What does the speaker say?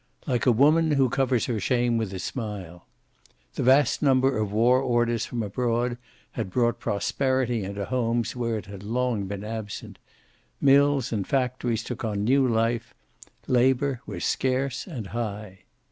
Like a woman who covers her shame with a smile. The vast number of war orders from abroad had brought prosperity into homes where it had long been absent. Mills and factories took on new life. Labor was scarce and high.